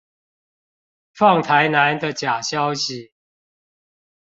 放台南的假消息